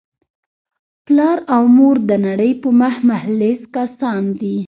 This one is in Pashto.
پلار او مور دنړۍ په مخ مخلص کسان دي